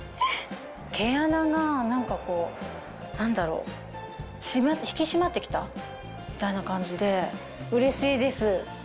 毛穴が何かこう引き締まって来たみたいな感じでうれしいです。